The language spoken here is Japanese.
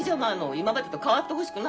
今までと変わってほしくないもん。